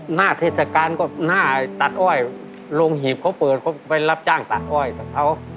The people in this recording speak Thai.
หน้าเทศกาลก็หน้าตัดอ้อยโรงหีบเขาเปิดเขาไปรับจ้างตัดอ้อยกับเขา